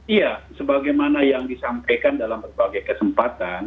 iya sebagaimana yang disampaikan dalam berbagai kesempatan